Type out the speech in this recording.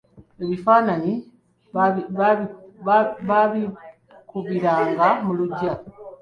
Ebifaananyi baabibakubiranga mu lugya.